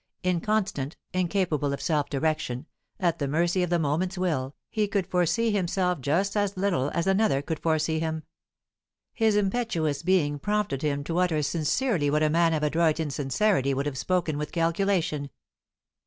Inconstant, incapable of self direction, at the mercy of the moment's will, he could foresee himself just as little as another could foresee him. His impetuous being prompted him to utter sincerely what a man of adroit insincerity would have spoken with calculation.